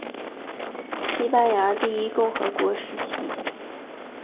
西班牙第一共和国时期。